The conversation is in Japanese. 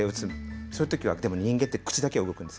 そういうときは人間って口だけは動くんです。